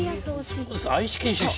愛知県出身。